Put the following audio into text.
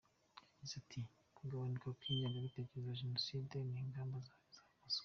Yagize ati “Kugabanuka kw’ingengabitekerezo ya Jenoside ni ingamba zafashwe.